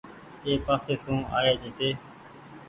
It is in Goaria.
اي پاسي سون آئي هيتي۔